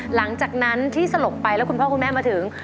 หลังจากนั้นที่สลบไปแล้วคุณพ่อคุณแม่มาถึง